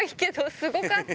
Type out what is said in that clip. すごかった。